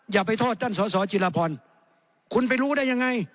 อย่าไปโทษท่านสอสอจิลพรคุณไปรู้ได้ยังไง